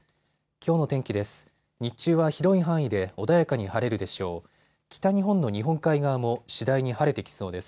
きょうの天気です。